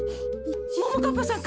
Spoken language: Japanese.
ももかっぱさん